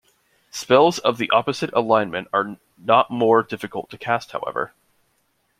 Spells of the opposite alignment are not more difficult to cast however.